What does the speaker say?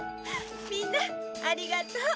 みんなありがとう。